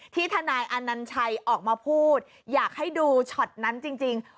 ทนายอนัญชัยออกมาพูดอยากให้ดูช็อตนั้นจริง